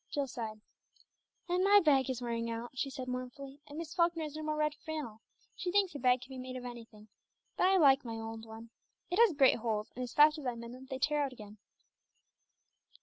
Jill sighed. "And my bag is wearing out," she said mournfully, "and Miss Falkner has no more red flannel; she thinks a bag can be made of anything, but I like my old one. It has great holes, and as fast as I mend them they tear out again."